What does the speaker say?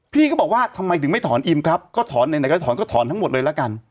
พี่ก็บอกว่าทำไมถึงไม่ถอนอิมครับก็ถอนทั้งหมดเลยแล้วกัน